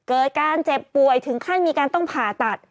เกิดการเจ็บป่วยถึงขั้นมีการต้องผ่าตัด